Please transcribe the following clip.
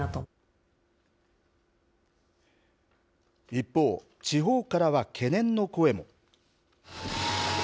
一方、地方からは懸念の声も。